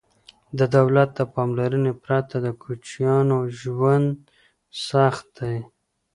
د دولت د پاملرنې پرته د کوچیانو ژوند سخت دی.